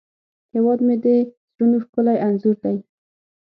هیواد مې د زړونو ښکلی انځور دی